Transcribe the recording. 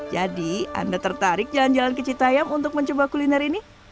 jadi anda tertarik jalan jalan ke cita yam untuk mencoba kuliner ini